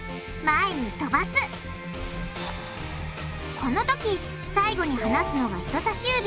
このとき最後に離すのが人さし指。